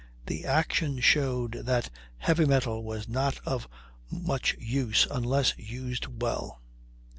The action showed that heavy metal was not of much use unless used well.